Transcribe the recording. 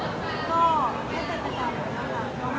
อเรนนี่ว่าที่เต็มประกาศเหมือนกันนะครับ